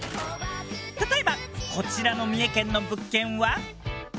例えばこちらの三重県の物件は。